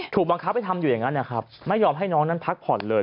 ถูกบังคับให้ทำอยู่อย่างนั้นนะครับไม่ยอมให้น้องนั้นพักผ่อนเลย